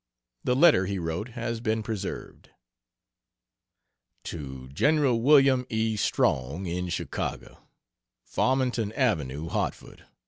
The letter he wrote has been preserved. To Gen. William E. Strong, in Chicago: FARMINGTON AVENUE, HARTFORD.